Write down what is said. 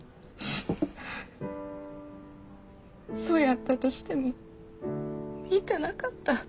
そやったとしても見たなかった。